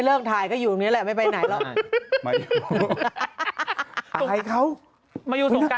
เรื่องแรกนะครับ